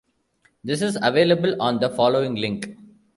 This is available on the following link.